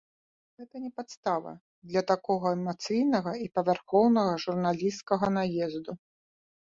Гэта не падстава для такога эмацыйнага і павярхоўнага журналісцкага наезду.